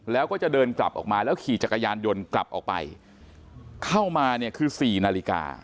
แล้วเขาจะเดินกลับออกมาขี่จักรยานยนต์กลับออกไปเข้ามาคือ๔นาฬิกา